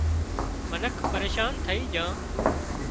منک پريشان ٿئي جھان